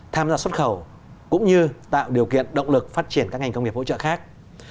tham gia xuất khẩu cũng như tạo điều kiện động lực phát triển các ngành công nghiệp hỗ trợ khác